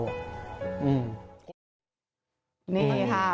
นี่ค่ะเป็นไงครับพี่เบิร์นรีลาการขายขนม